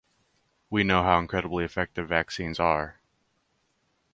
We know how incredibly effective vaccines are.